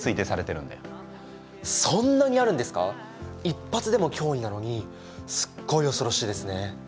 一発でも脅威なのにすっごい恐ろしいですね。